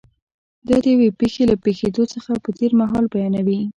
یا د یوې پېښې له پېښېدو څخه په تېر مهال بیانوي.